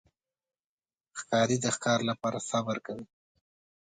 ښکاري د ښکار لپاره صبر کوي.